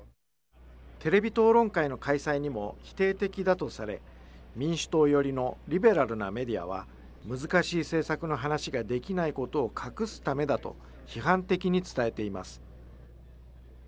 テレビ討論会の開催にも否定的だとされ、民主党寄りのリベラルなメディアは、難しい政策の話ができないことを隠すためだと、批判的に伝えています。